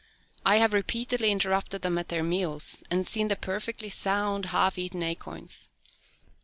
I have repeatedly interrupted them at their meals, and seen the perfectly sound, half eaten acorns.